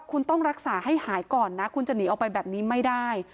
คุณต้องรักษาให้หายก่อนนะคุณจะหนีออกไปแบบนี้ไม่ได้